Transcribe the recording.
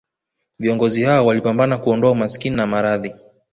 Viongozi hao walipambana kuondoa umaskini na maradhi